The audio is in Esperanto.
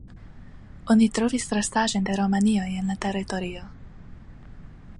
Oni trovis restaĵojn de romianoj en la teritorio.